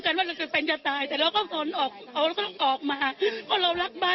แต่พวกเราก็ไม่พี่ว่าพวกเราก็ต้องทำของเราต่อไป